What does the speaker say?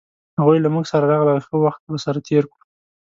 هغوی له مونږ سره راغلل ښه وخت به سره تیر کړو